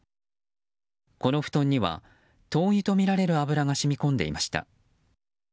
この布団には灯油とみられる油が染み込んでいました。